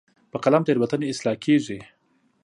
په قلم تیروتنې اصلاح کېږي.